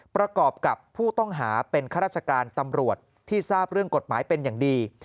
ประกอบกับผู้ต้องหาเป็นข้าราชการตำรวจที่ทราบเรื่องกฎหมายเป็นอย่างดี